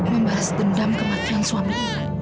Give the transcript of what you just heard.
membalas dendam kematian suami